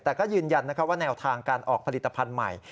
แต่ก็ยืนยันว่าแนวทางการออกผลิตภัณฑ์ใหม่